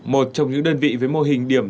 một trong những đơn vị với mô hình điểm